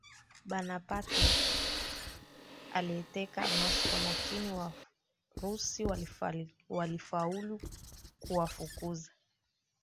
Bonaparte aliyeteka Moscow lakini Warusi walifaulu kuwafukuza